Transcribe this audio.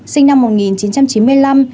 sinh năm một nghìn chín trăm chín mươi năm